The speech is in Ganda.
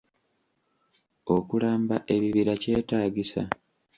Okulamba ebibira kyetaagisa?